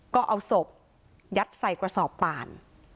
ก็เอาศพยัดใส่กระสอบป่าน